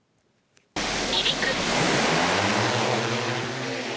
離陸。